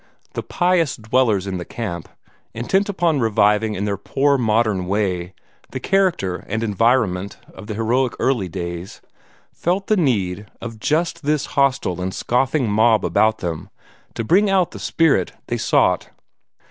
The pious dwellers in the camp, intent upon reviving in their poor modern way the character and environment of the heroic early days, felt the need of just this hostile and scoffing mob about them to bring out the spirit they sought.